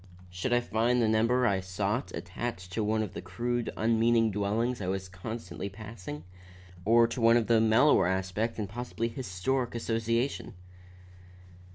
Should I find the number I sought attached to one of the crude, unmeaning dwellings I was constantly passing, or to one of mellower aspect and possibly historic association?